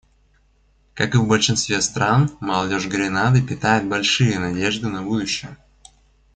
Как и в большинстве стран, молодежь Гренады питает большие надежды на будущее.